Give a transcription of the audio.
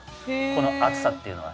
この熱さっていうのは。